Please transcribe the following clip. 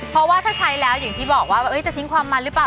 เพราะว่าถ้าใช้แล้วอย่างที่บอกว่าจะทิ้งความมันหรือเปล่า